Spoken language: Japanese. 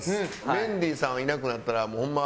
メンディーさんがいなくなったらホンマ